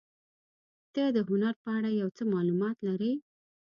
ته د هنر په اړه یو څه معلومات لرې؟